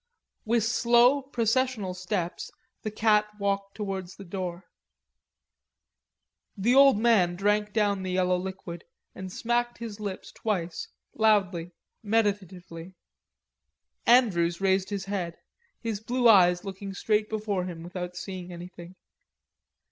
With slow processional steps the cat walked towards the door. The old brown man drank down the yellow liquid and smacked his lips twice, loudly, meditatively. Andrews raised his head, his blue eyes looking straight before him without seeing anything.